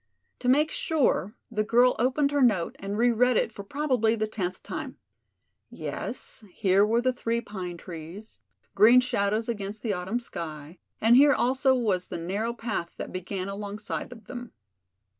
To make sure the girl opened her note and re read it for probably the tenth time. Yes, here were the three pine trees, green shadows against the autumn sky, and here also was the narrow path that began alongside of them.